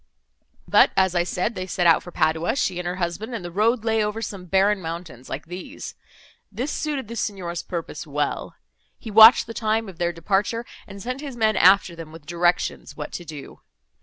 But, as I said, they set out for Padua, she and her husband, and the road lay over some barren mountains like these. This suited the Signor's purpose well. He watched the time of their departure, and sent his men after them, with directions what to do.